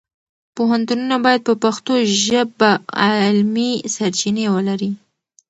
پوهنتونونه باید په پښتو ژبه علمي سرچینې ولري.